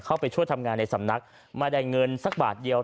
เข้าไปช่วยทำงานในสำนักไม่ได้เงินสักบาทเดียว